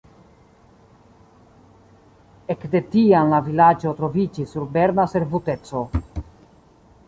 Ek de tiam la vilaĝo troviĝis sub berna servuteco.